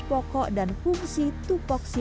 pokok dan fungsi tupoksi